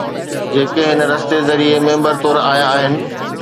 جيڪي هن رستي ذريعي ميمبر طور آيا آهن.